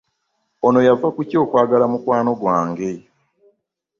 Ono yava kuki okwagala mukwano gwange.